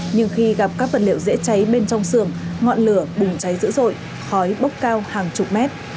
nhưng khi gặp các vật liệu dễ cháy bên trong sườn ngọn lửa bùng cháy dữ dội khói bốc cao hàng chục mét